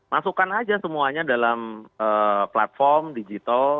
masukkan aja semuanya dalam platform digital